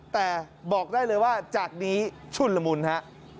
แต่บอกได้เลยว่าจากนี้ชุนละมุนฮะ